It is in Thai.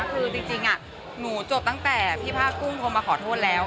คือจริงหนูจบตั้งแต่พี่ผ้ากุ้งโทรมาขอโทษแล้ว